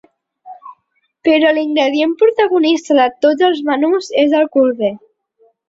Però l’ingredient protagonista de tots els menús és el corder.